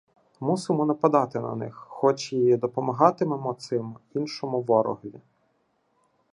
Мусимо нападати на них, хоч і допомагатимемо цим іншому ворогові.